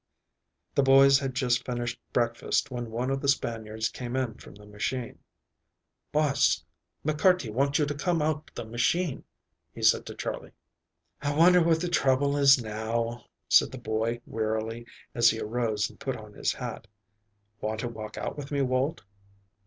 The boys had just finished breakfast when one of the Spaniards came in from the machine. "Boss, McCarty want you to come out to the machine," he said to Charley. "I wonder what the trouble is now," said the boy wearily, as he arose and put on his hat. "Want to walk out with me, Walt?"